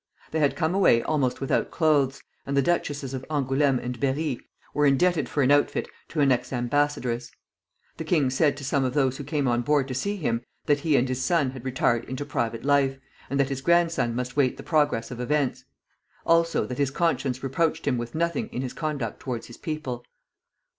They had come away almost without clothes, and the Duchesses of Angoulême and Berri were indebted for an outfit to an ex ambassadress. The king said to some of those who came on board to see him, that he and his son had retired into private life, and that his grandson must wait the progress of events; also, that his conscience reproached him with nothing in his conduct towards his people.